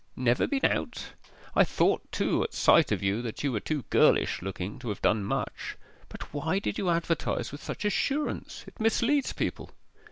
'Never been out? I thought too at sight of you that you were too girlish looking to have done much. But why did you advertise with such assurance? It misleads people.